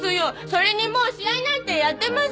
それにもう試合なんてやってません！